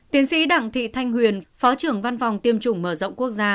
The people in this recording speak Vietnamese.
tiến sĩ đặng thị thanh huyền phó trưởng văn phòng tiêm chủng mở rộng quốc gia